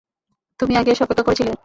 তুমি আগে এসে অপেক্ষা করছিলে?